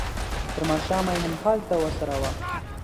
تر ماښامه یې همالته وڅروه.